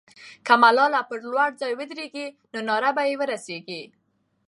که ملالۍ پر لوړ ځای ودرېږي، نو ناره به یې ورسېږي.